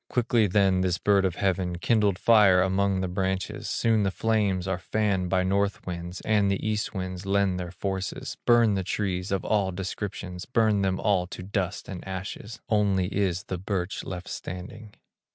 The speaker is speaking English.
Quickly then this bird of heaven, Kindled fire among the branches; Soon the flames are fanned by north winds, And the east winds lend their forces, Burn the trees of all descriptions, Burn them all to dust and ashes, Only is the birch left standing.